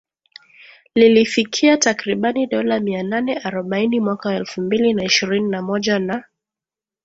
lilifikia takriban dola mia nane arobaini mwaka wa elfu mbili na ishirini na moja na